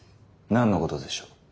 何のことでしょう？